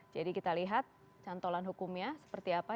jadi kita lihat cantolan hukumnya seperti apa